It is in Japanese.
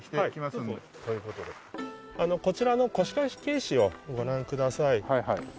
こちらの腰掛石をご覧ください。